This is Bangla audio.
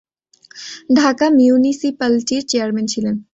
তিনি ঢাকা মিউনিসিপালটির চেয়ারম্যান ছিলেন।